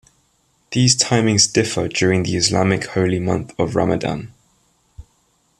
These timings differ during the Islamic holy month of Ramadan.